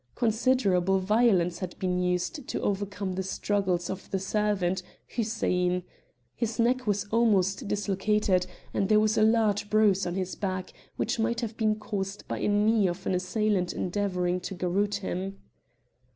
Considerable violence had been used to overcome the struggles of the servant, Hussein. His neck was almost dislocated, and there was a large bruise on his back which might have been caused by the knee of an assailant endeavouring to garrotte him.